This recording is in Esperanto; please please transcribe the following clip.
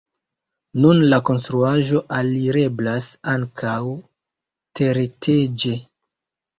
Nun la konstruaĵo alireblas ankaŭ tereteĝe.